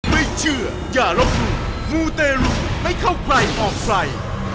ไม่เชื่ออย่าลบหลู่มูเตรุไม่เข้าใครออกใคร